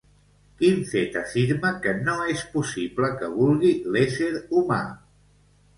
Quin fet afirma que no és possible que vulgui l'ésser humà?